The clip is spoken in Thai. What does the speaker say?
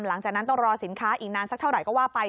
หลังจากนั้นต้องรอสินค้าอีกนานสักเท่าไหร่ก็ว่าไป